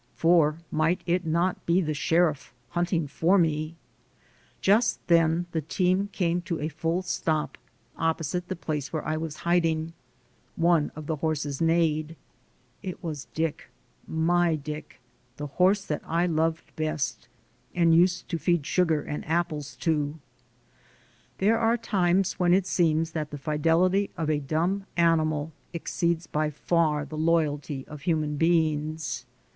For might it not be the sheriff hunting for me? Just then the team came to a full stop opposite the place where I was hiding. One of the horses neighed. It was Dick, my Dick, the horse that I loved best, and used to feed sugar and apples to. There are times when it seems that the fidelity of a dumb animal exceeds by far the loyalty of human beings.